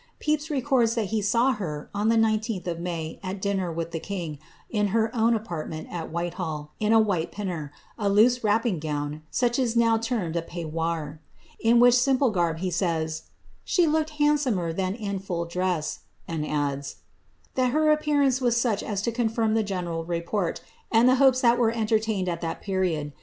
Pepys records that he saw her, on the 10th of May, at dinner with the king, in her own apart ment at Whitehall, in her white pinner^ a loose wrapping gown, snch st is now termed a peifrnoir ; in which simple garb, he says, she looked handsomer than in full dress,' and adds, '* that her appearance was such as to confirm the general report, and the hopes that were entertained tt that ]>eriod.